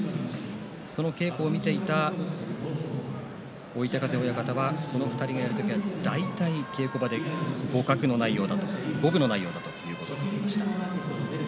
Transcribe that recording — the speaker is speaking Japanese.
その稽古を見ていた追手風親方はこの２人でやる時は大体稽古場で互角の内容だと五分の内容だと言っていました。